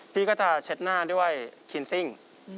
พี่ก็จะเช็ดหน้าด้วยคินซิ่ง